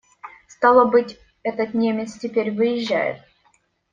Стало быть, этот немец теперь выезжает.